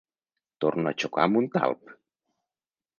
Torno a xocar amb un talp.